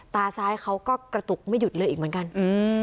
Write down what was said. ตาซ้ายเขาก็กระตุกไม่หยุดเลยอีกเหมือนกันอืม